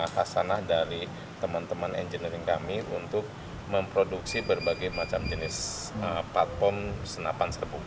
kasanah dari teman teman engineering kami untuk memproduksi berbagai macam jenis platform senapan serbu